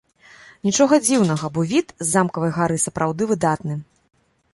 Нічога дзіўнага, бо від з замкавай гары сапраўды выдатны.